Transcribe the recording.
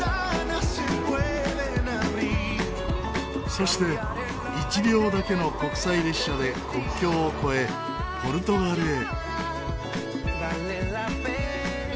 そして１両だけの国際列車で国境を越えポルトガルへ。